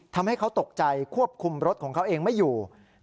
ทำให้เขาตกใจควบคุมรถของเขาเองไม่อยู่